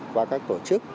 qua các tổ chức